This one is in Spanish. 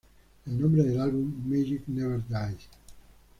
El nombre del álbum: "Magic Never Dies".